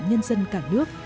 nhân dân cả nước